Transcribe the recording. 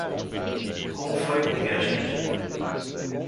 Como foi com o viajante?